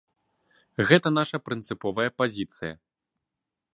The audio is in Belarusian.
Гэта наша прынцыповая пазіцыя.